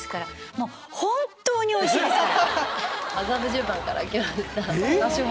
もう本当においしいですから！